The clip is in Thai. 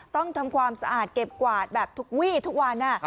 ต้องทำความสะอาดเก็บกวาดแบบทุกวี่ทุกวัน